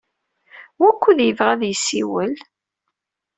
Wukud yebɣa ad yessiwel?